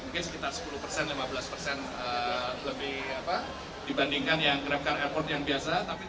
mungkin sekitar sepuluh persen lima belas persen lebih dibandingkan yang grabcar airport yang biasa